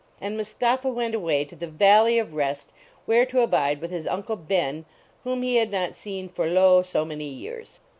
And Mus tapha went away to the Valley of Rest, there to abide with his Uncle l>en, whom he had not seen for lo, so many years.